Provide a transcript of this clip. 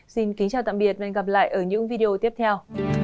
xin kính chào tạm biệt và hẹn gặp lại ở những video tiếp theo